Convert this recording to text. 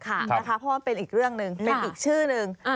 ค่ะนะคะเพราะว่าเป็นอีกเรื่องหนึ่งเป็นอีกชื่อหนึ่ง